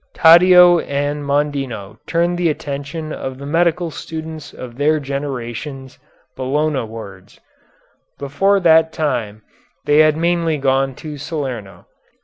Taddeo and Mondino turned the attention of the medical students of their generations Bolognawards. Before that time they had mainly gone to Salerno.